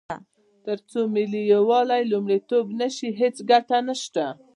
تر څو ملي یووالی لومړیتوب نه شي، هیڅ ګټه نشته.